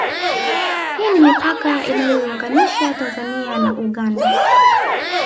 Hii ni mipaka inayoiunganisha Tanzania na Uganda